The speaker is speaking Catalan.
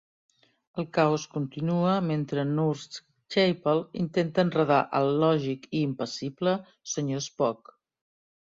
El caos continua mentre Nurse Chapel intenta enredar al lògic i impassible senyor Spock.